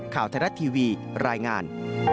ข่าวไทยรัฐทีวีรายงาน